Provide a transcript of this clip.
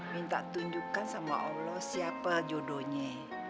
minta tunjukkan sama allah siapa jodohnya